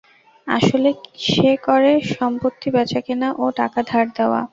আসলে সে করে সম্পত্তি কেনাবেচা ও টাকা ধার দেওয়া।